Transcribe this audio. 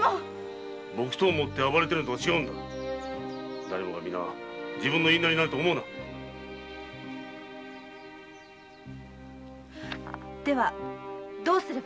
木刀で暴れるのとは違うのだだれもが皆自分の言いなりになると思うなではどうすれば？